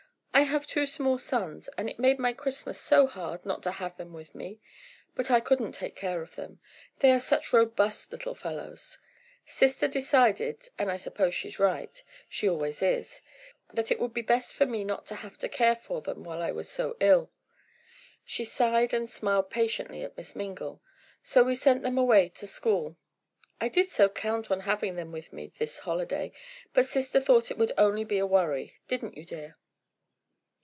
"I have two small sons, and it made my Christmas so hard not to have them with me. But I couldn't take care of them. They are such robust little fellows! Sister decided, and I suppose she's right—she always is—that it would be best for me not to have the care of them while I am so ill." She sighed and smiled patiently at Miss Mingle. "So we sent them away to school. I did so count on having them with me this holiday, but sister thought it would only be a worry; didn't you, dear?"